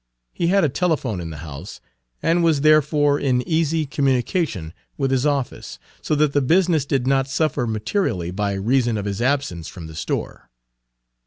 He had a telephone in the house, and was therefore in easy communication with his office, so that the business did not suffer materially by reason of his absence from the store.